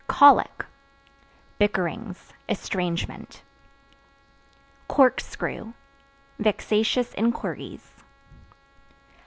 Colic Bickerings, estrangement Corkscrew Vexatious inquiries.